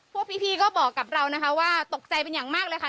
พวกพี่ก็บอกกับเรานะคะว่าตกใจเป็นอย่างมากเลยค่ะ